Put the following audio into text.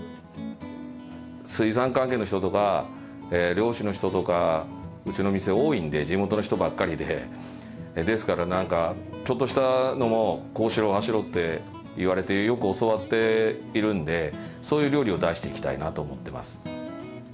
水産関係の人とか漁師の人とかうちの店多いんで地元の人ばっかりでですから何かちょっとしたのもこうしろああしろって言われてよく教わっているんでそういう料理を出していきたいなと思ってます。